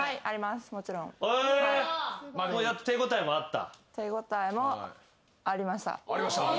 手応えもあった？